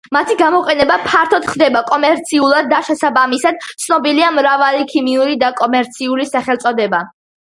მათი გამოყენება ფართოდ ხდება კომერციულად და შესაბამისად, ცნობილია მრავალი ქიმიური და კომერციული სახელწოდება.